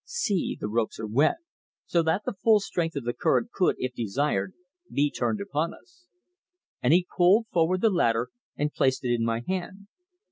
See! the ropes are wet, so that the full strength of the current could, if desired, be turned upon us." And he pulled forward the ladder and placed it in my hand.